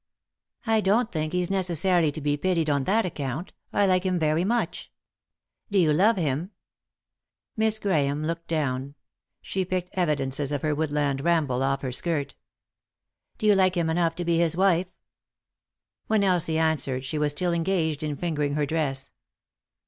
" I don't think he's necessarily to be pitied on that account. I like him very much." " Do you love him ?" 134 ;«y?e.c.V GOOglC THE INTERRUPTED KISS Miss Grahame looked down. She picked evidences of her woodland ramble off her skirt " Do yon like him enough to be his wife ?" When Elsie answered she was still engaged in finger ing her dress.